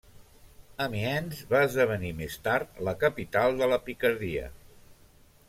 Amiens va esdevenir més tard la capital de la Picardia.